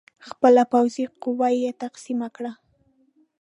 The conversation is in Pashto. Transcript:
خپله پوځي قوه یې تقسیم کړه.